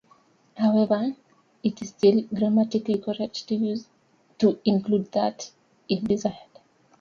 However, it is still grammatically correct to include "that" if desired.